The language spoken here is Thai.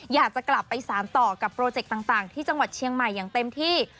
อยากจะกลับไปสารต่อกับโปรเจกต์ต่างที่จังหวัดเชียงใหม่อย่างเต็มที่